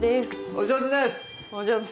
お上手です。